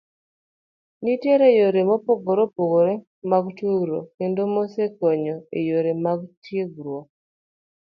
Nitiere yore mopogore opogore mag tudruok kendo mosekonyo e yore mag tiegruok.